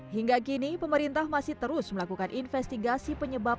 hingga kini pemerintah masih terus melakukan investigasi penyebab